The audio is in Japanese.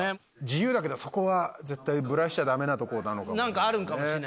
自由だけどそこは絶対ブラしちゃダメなとこなのかもしれませんね。